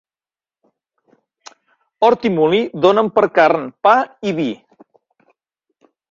Hort i molí donen per carn, pa i vi.